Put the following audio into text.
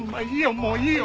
もういいよ